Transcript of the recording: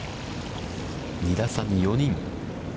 ２打差に４人。